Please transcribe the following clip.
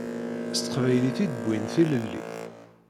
S teqbaylit i d-wwin tilelli.